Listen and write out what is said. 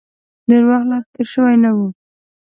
ډېر وخت لا تېر شوی نه و.